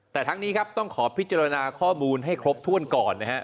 แต่ทั้งนี้ครับต้องขอพิจารณาข้อมูลให้ครบถ้วนก่อนนะฮะ